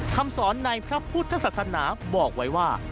คำสอนในพระพุทธศาสนาบอกไว้ว่า